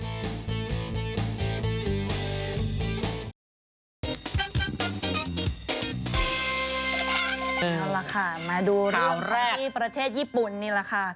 เอาล่ะค่ะมาดูเรื่องที่ประเทศญี่ปุ่นนี่แหละค่ะ